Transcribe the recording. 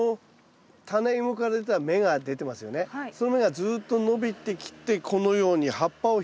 その芽がずっと伸びてきてこのように葉っぱを広げてきます。